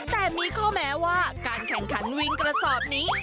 แต่มีข้อแม้ว่าการแข่งขันวิ่งกระสอบนี้